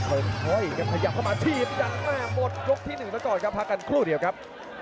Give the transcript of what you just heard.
ก็พยายามเข้ามาทีมอย่างง่าหมดรุ่นที่๑แล้วก่อนครับพักกันครู่เดียวครับ